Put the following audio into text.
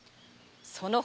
その方